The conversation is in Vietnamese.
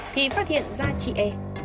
thì phát hiện ra chị e